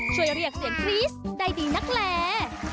ช่วยเรียกเสียงคริสต์ได้ดีนักแล